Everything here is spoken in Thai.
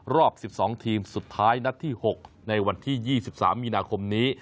รอบ๑๒ทีมสุดท้ายนัดที่๖ในวันที่๒๓มีนาคมนี้